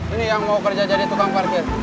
ini yang mau kerja jadi tukang parkir